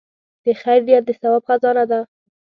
د خیر نیت د ثواب خزانه ده.